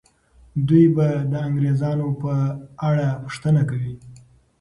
دوی به د انګریزانو په اړه پوښتنه کوي.